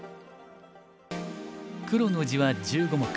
黒の地は１５目。